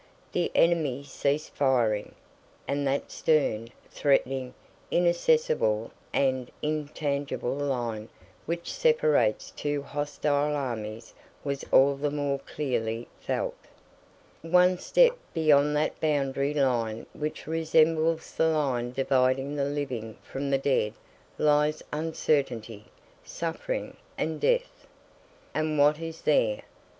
The enemy ceased firing, and that stern, threatening, inaccessible, and intangible line which separates two hostile armies was all the more clearly felt. "One step beyond that boundary line which resembles the line dividing the living from the dead lies uncertainty, suffering, and death. And what is there?